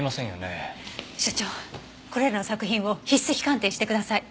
所長これらの作品を筆跡鑑定してください。